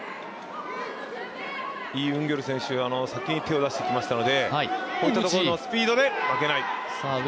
イ・ウンギョル選手先に手を出してきましたのでこういったところのスピードで負けない。